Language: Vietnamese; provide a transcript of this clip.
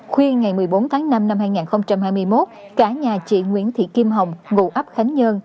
khuya ngày một mươi bốn tháng năm năm hai nghìn hai mươi một cả nhà chị nguyễn thị kim hồng ngụ ấp khánh nhơn